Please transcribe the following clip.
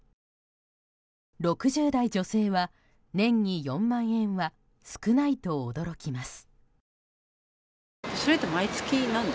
６０代女性は、年に４万円は少ないと驚きます。